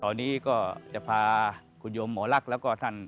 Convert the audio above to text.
ตอนนี้ก็จะพาคุณยมหมาว์หลักแล้วก็ท่าน